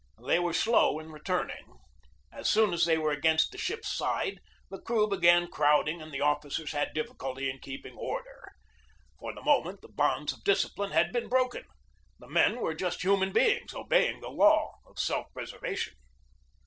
They were slow in returning. As soon as they were against the ship's side the crew began crowding and the officers had difficulty in keeping order. For the moment the bonds of discipline had been broken. The men were just human beings obeying the law of self preserva tion.